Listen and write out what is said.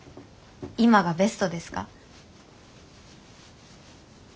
今がベストですか？